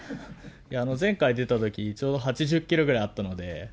前回出たとき、ちょうど８０キロぐらいあったので。